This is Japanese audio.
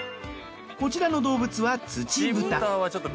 こちらの動物はツチブタ。